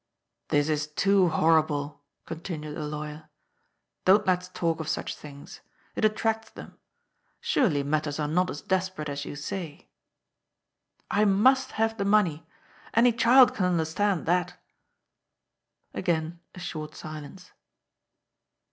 " This is too horrible," continued the lawyer. " Don't let's talk of such things. It attracts them. Surely matters are not as desperate as you say." ^' I must have the money. Any child can understand that." Again a short silence.